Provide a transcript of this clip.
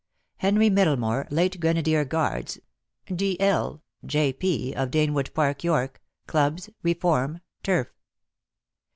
"Henry Middlemore, late Grenadier Guards, D.L., J.P., of Danewood Park, York; Clubs, Reform, Turf."